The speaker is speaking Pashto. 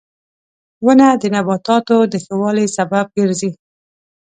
• ونه د نباتاتو د ښه والي سبب ګرځي.